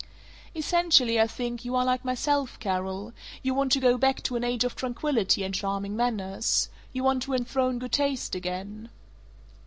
"Essentially, I think, you are like myself, Carol; you want to go back to an age of tranquillity and charming manners. You want to enthrone good taste again."